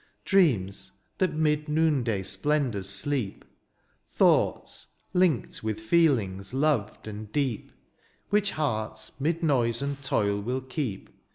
Dreams, that 'mid noonday splendours sleep. Thoughts, linked with feelings loved and deep. Which hearts, 'mid noise and toil, will keep.